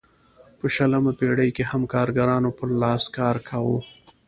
په شلمه پېړۍ کې هم کارګرانو پر لاس کار کاوه.